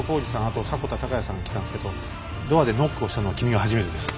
あと迫田孝也さん来たんですけどドアでノックをしたのは君が初めてです。